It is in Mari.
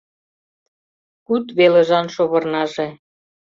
Куд велыжан шовырнаже